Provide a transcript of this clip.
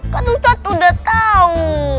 kak ustadz udah tahu